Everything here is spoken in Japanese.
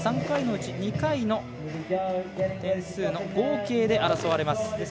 ３回のうち２回の点数の合計で争われます。